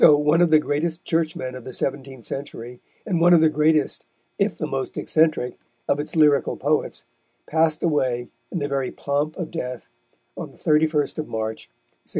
So one of the greatest Churchmen of the seventeenth century, and one of the greatest, if the most eccentric, of its lyrical poets passed away in the very pomp of death, on the 31st of March, 1631.